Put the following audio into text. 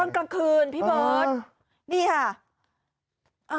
กลางคืนพี่เบิร์ตนี่ค่ะ